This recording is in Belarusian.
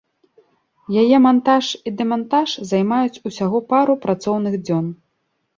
Яе мантаж і дэмантаж займаюць усяго пару працоўных дзён.